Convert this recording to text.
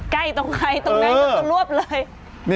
ใกล้ตรงใกรตรงไง